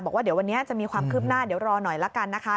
บอกว่าเดี๋ยววันนี้จะมีความคืบหน้าเดี๋ยวรอหน่อยละกันนะคะ